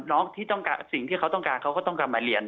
ที่ต้องการสิ่งที่เขาต้องการเขาก็ต้องกลับมาเรียน